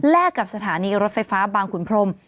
กับสถานีรถไฟฟ้าบางขุนพรม